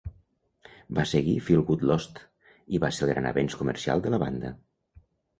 Va seguir "Feel Good Lost", i va ser el gran avenç comercial de la banda.